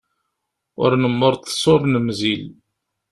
Ur nemmurḍes ur nemzil.